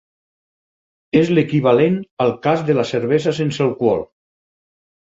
És l’equivalent al cas de la cervesa sense alcohol.